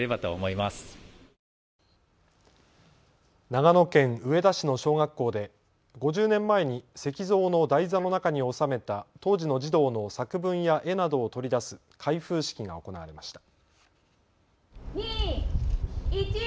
長野県上田市の小学校で５０年前に石像の台座の中に収めた当時の児童の作文や絵などを取り出す開封式が行われました。